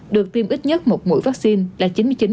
được tiêm ít nhất một mũi vaccine là chín mươi chín